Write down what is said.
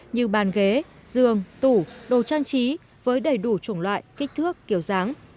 như bàn ghế giường tủ đồ trang trí với đầy đủ chủng loại kích thước kiểu dáng